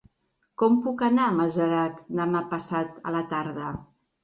Com puc anar a Masarac demà passat a la tarda?